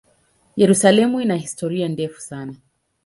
Yerusalemu ina historia ndefu sana.